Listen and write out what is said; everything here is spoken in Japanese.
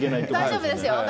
大丈夫ですよ。